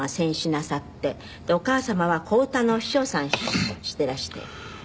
でお母様は小唄のお師匠さんしていらして。